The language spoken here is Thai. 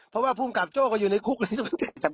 เพราะว่าภูมิกับโจ้ก็อยู่ในคุกแล้ว